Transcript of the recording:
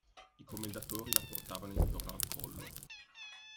I commendatori la portavano intorno al collo.